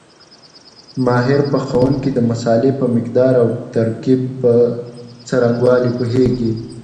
ماهر پخوونکي د مسالې په مقدار او ترکیب په څرنګوالي پوهېږي.